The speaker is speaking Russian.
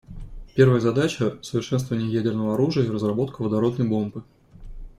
Первая задача — совершенствование ядерного оружия и разработка водородной бомбы.